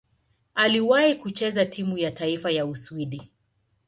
Aliwahi kucheza timu ya taifa ya Uswidi.